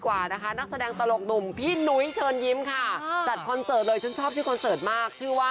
วันไหนจะเกิดแค่ครั้งแล้วโทษเธอ